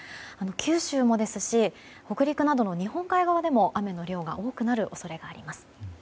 九州もですし北陸などの日本海側でも雨の量が多くなる恐れがあります。